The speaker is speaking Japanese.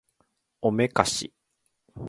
おめかし